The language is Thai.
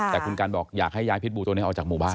แต่คุณกันบอกอยากให้ย้ายพิษบูตัวนี้ออกจากหมู่บ้าน